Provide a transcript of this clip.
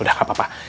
udah gak apa apa